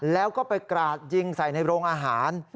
แล้วก็ไปกราดยิงใส่ในโรงอาหาร